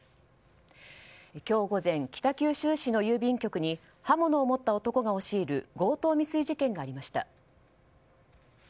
今日午前、北九州市の郵便局に刃物を持った男が押し入る強盗未遂事件がありました。